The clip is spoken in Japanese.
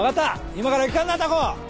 今から行くからなタコ！